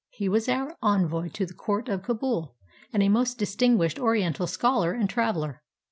He was our envoy to the Court of Kabul, and a most distinguished Oriental scholar and traveler.